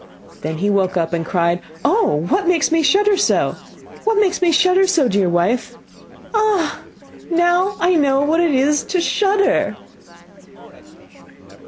Then he woke up and cried: 'Oh, what makes me shudder so? what makes me shudder so, dear wife? Ah! now I know what it is to shudder!